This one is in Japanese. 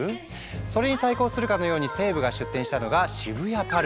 それに対抗するかのように西武が出店したのが渋谷ＰＡＲＣＯ。